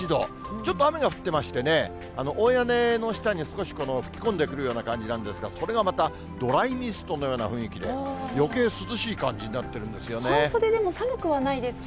ちょっと雨が降ってましてね、大屋根の下に少し吹き込んでくるような感じなんですが、それがまたドライミストのような雰囲気で、よけい涼しい感じになっているん半袖でも寒くはないですか？